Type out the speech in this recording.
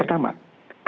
pertama ada yang di bawah